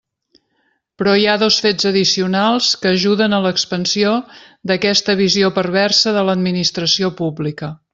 Però hi ha dos fets addicionals que ajuden a l'expansió d'aquesta visió perversa de l'administració pública.